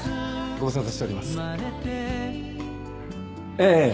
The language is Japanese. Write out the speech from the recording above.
ええ。